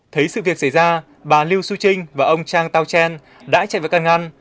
thấy sự việc xảy ra bà liu xuching và ông chang taochen đã chạy vào căn ngăn